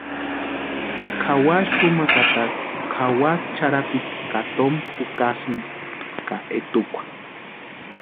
Kʼawasï xumakatarhu kʼawasï charhapiti ka toma jukasïnti ka etukwa.